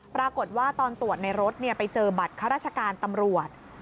ปรากฏว่าตอนตรวจในรถไปเจอบัตรข้าราชการตำรวจ